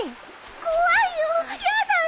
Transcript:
怖いよやだよ。